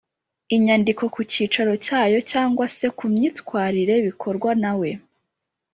inyandiko ku cyicaro cyayo cyangwa se kumyitwarire bikorwa nawe